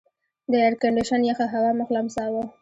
د ایرکنډېشن یخه هوا مخ لمساوه.